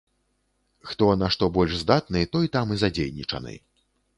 Хто на што больш здатны, той там і задзейнічаны.